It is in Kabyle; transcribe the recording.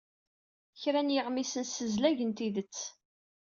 Kra n yiɣmisen ssezlagen tidet.